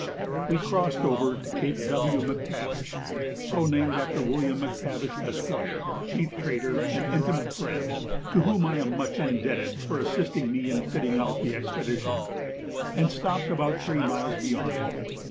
We crossed over to Cape W. Mactavish (so named after William Mactavish, Esquire, chief trader, an intimate friend, to whom I am much indebted for assisting me in fitting out the expedition,) and stopped about three miles beyond it.